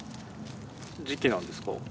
時期なんですか？